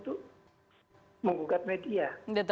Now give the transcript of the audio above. tidak dipakai dengan cara begitu